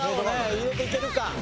入れていけるか。